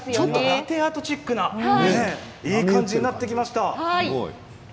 ラテアートチックないい感じに変わってきました。